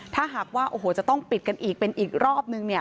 ถ้าหากว่าโอ้โหจะต้องปิดกันอีกเป็นอีกรอบนึงเนี่ย